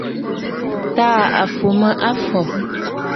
Tàa à fù mə afɔ̀.